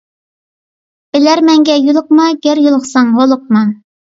بىلەرمەنگە يولۇقما، گەر يولۇقساڭ ھولۇقما.